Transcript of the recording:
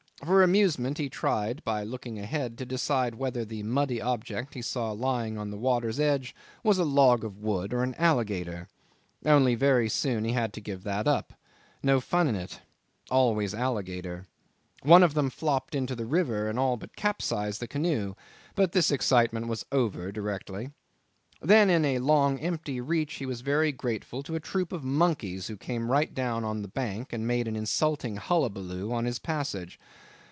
For amusement he tried by looking ahead to decide whether the muddy object he saw lying on the water's edge was a log of wood or an alligator. Only very soon he had to give that up. No fun in it. Always alligator. One of them flopped into the river and all but capsized the canoe. But this excitement was over directly. Then in a long empty reach he was very grateful to a troop of monkeys who came right down on the bank and made an insulting hullabaloo on his passage.